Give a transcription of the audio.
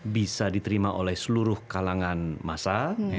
bisa diterima oleh seluruh kalangan masa